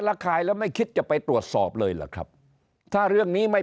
คายแล้วไม่คิดจะไปตรวจสอบเลยเหรอครับถ้าเรื่องนี้ไม่